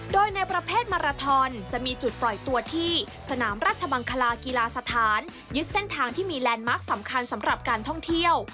โดยในประเภทมาราทอนจะมีจุดปล่อยตัวที่สนามราชมังคลากีฬาสถานยึดเส้นทางที่มีแลนด์มาร์คสำคัญสำหรับการท่องเที่ยว